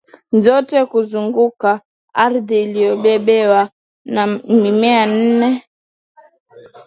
zote kuzunguka ardhi iliyobebewa na mimea nene